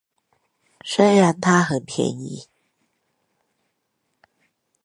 雖然他很便宜